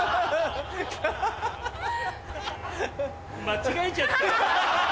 間違えちゃった。